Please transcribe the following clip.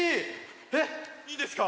えっいいんですか？